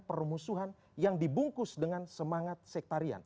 permusuhan yang dibungkus dengan semangat sektarian